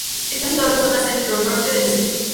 Está situado en zona centro-norte del distrito.